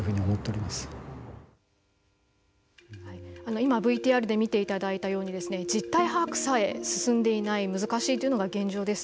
今、ＶＴＲで見ていただいたように実態把握さえ進んでいない難しいというのが現状です。